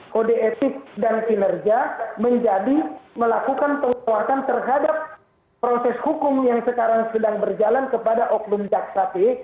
kode etik dan kinerja menjadi melakukan penguatan terhadap proses hukum yang sekarang sedang berjalan kepada oknum jaksa p